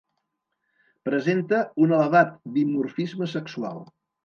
Presenta un elevat dimorfisme sexual.